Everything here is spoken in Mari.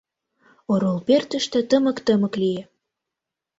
Орол пӧртыштӧ тымык-тымык лие.